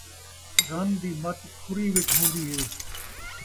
رن دی مت کھری وِچ ہون٘دی ہے